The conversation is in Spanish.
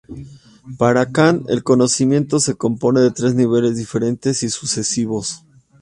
Para Kant el conocimiento se compone de tres niveles diferentes y sucesivos.